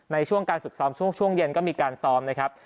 ในช่วงการฝึกซ้อมช่วงเย็นก็มีการซ้อมนะครับ